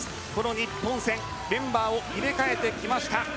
日本戦メンバーを入れ替えてきました。